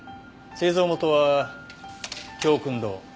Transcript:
製造元は京薫堂。